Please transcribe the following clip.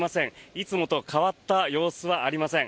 いつもと変わった様子はありません。